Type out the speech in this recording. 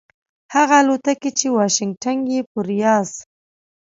هغه الوتکې چې واشنګټن یې پر ریاض